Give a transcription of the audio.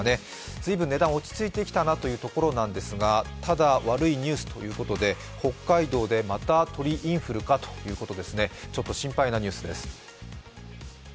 随分、値段、落ち着いてきたというところなんですがただ悪いニュースということで、北海道でまた鳥インフルかということですね心配なニュースですね。